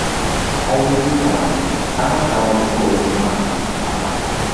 A yi di valiŋ, a ni paagi boosu maa.